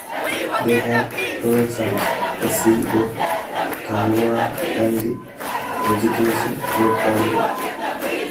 They had twin sons, the sea god Tangaroa and the vegetation god Rongo.